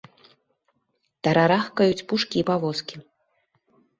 Тарарахкаюць пушкі і павозкі.